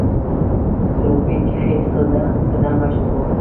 سروبي کښي څه دمه سوو